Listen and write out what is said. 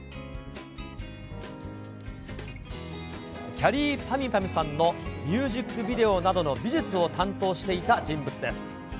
きゃりーぱみゅぱみゅさんのミュージックビデオなどの美術を担当していた人物です。